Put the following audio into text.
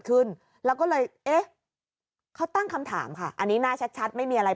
ขึ้นแล้วก็เลยเอ๊ะเขาตั้งคำถามค่ะอันนี้หน้าชัดไม่มีอะไร